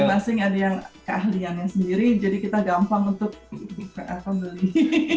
masing masing ada yang keahliannya sendiri jadi kita gampang untuk pembeli